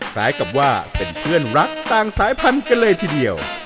คล้ายกับว่าเป็นเพื่อนรักต่างสายพันธุ์กันเลยทีเดียว